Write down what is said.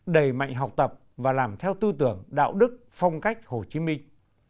đầy mạnh học tập và làm theo tư tưởng đạo đức phong cách hồ chí minh